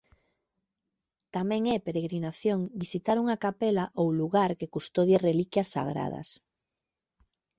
Tamén é peregrinación visitar unha capela ou lugar que custodie reliquias sagradas.